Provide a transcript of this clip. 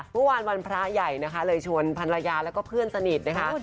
วันพระใหญ่นะคะเลยชวนภรรยาแล้วก็เพื่อนสนิทนะคะ